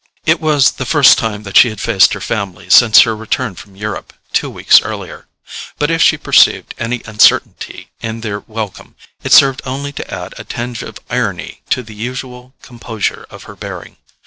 It was the first time that she had faced her family since her return from Europe, two weeks earlier; but if she perceived any uncertainty in their welcome, it served only to add a tinge of irony to the usual composure of her bearing.